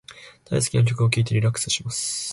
大好きな曲を聞いてリラックスします。